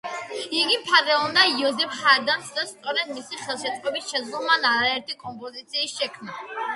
იგი მფარველობდა იოზეფ ჰაიდნს და სწორედ მისი ხელშეწყობით შესძლო მან არაერთი კომპოზიციის შექმნა.